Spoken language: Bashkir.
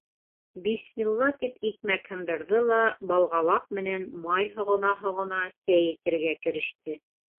Бисмилла тип икмәк һындырҙы ла, балғалаҡ менән май һоғона-һоғона, сәй эсергә кереште.